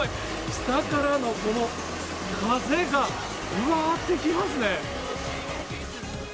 下からのこの風が、うわーってきますね。